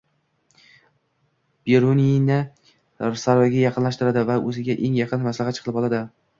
Beruniyni saroyga yaqinlashtiradi va o`ziga eng yaqin maslahatchi qilib oladi